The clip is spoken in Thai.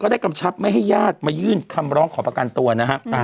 กำชับไม่ให้ญาติมายื่นคำร้องขอประกันตัวนะฮะ